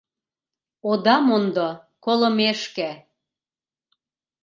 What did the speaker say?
Ода мондо колымешке: